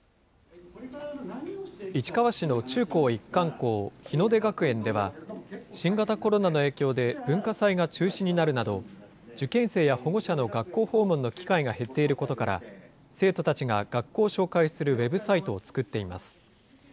市川市の中高一貫校、日出学園では、新型コロナの影響で文化祭が中止になるなど、受験生や保護者の学校訪問の機会が減っていることから、生徒たちが学校を紹介するウェブサイトを作っています。